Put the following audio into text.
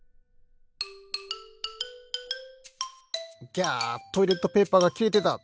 ギャトイレットペーパーがきれてた！